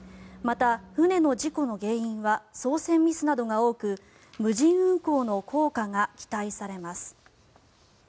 また、船の事故の原因は操船ミスなどが多く無人運航の効果が期待されます。